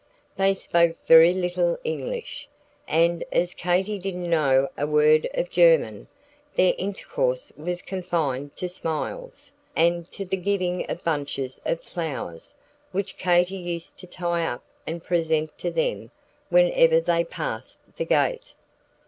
They spoke very little English, and as Katy didn't know a word of German, their intercourse was confined to smiles, and to the giving of bunches of flowers, which Katy used to tie up and present to them whenever they passed the gate.